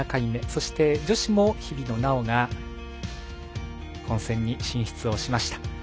そして、女子も日比野菜緒が本戦に進出しました。